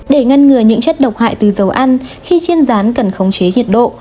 để ngăn ngừa những chất độc hại từ dầu ăn khi trên rán cần khống chế nhiệt độ